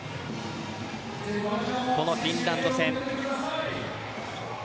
このフィンランド戦。